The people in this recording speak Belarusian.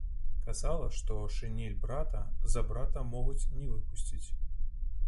Казала, што шынель брата, за брата могуць не выпусціць.